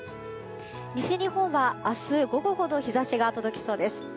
西日本は明日、午後ほど日差しが届きそうです。